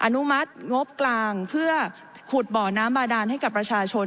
อนุมัติงบกลางเพื่อขุดบ่อน้ำบาดานให้กับประชาชน